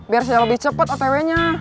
biar saya lebih cepet otw nya